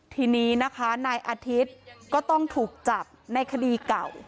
ทีนี้นะคะนายอาทิตย์ก็ต้องถูกจับในคดีเก่า